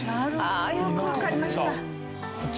ああよくわかりました。